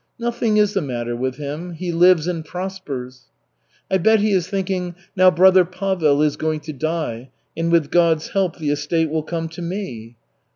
"Nothing is the matter with him. He lives and prospers." "I bet he is thinking, 'Now brother Pavel is going to die and with God's help the estate will come to me.'"